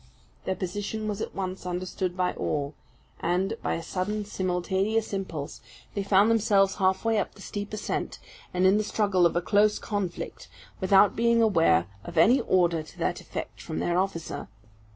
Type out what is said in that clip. Their position was at once understood by all; and, by a sudden, simultaneous impulse, they found themselves halfway up the steep ascent, and in the struggle of a close conflict, without being aware of any order to that effect from their officer.